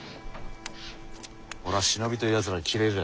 俺は忍びというやつらが嫌えじゃ。